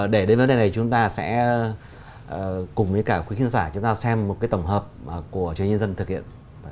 để đến vấn đề này chúng ta sẽ cùng với cả quý khán giả chúng ta xem một cái tổng hợp của chuyên nhân dân thực hiện